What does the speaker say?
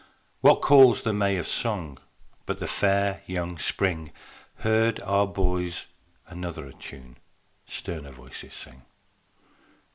What calls the May of song But the fair young spring? Heard our boys another tune Sterner voices sing.